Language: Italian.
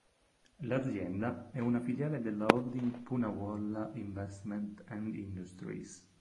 L'azienda è una filiale della holding Poonawalla Investment and Industries.